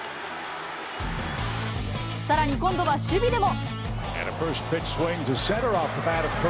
さらに今度は守備でも。